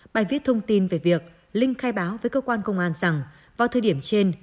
bài viết thông tin về việc linh khai báo với cơ quan công an rằng vào thời điểm trên